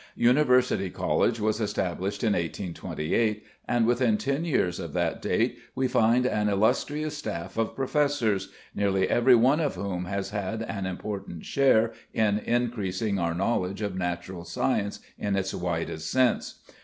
University College was established in 1828, and within ten years of that date we find an illustrious staff of professors, nearly every one of whom has had an important share in increasing our knowledge of natural science in its widest sense.